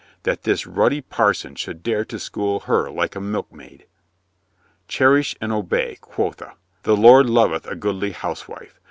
That this ruddy parson should dare to school her like a milkmaid! Cherish I and obey, quotha ! The Lord loveth a goodly housewife!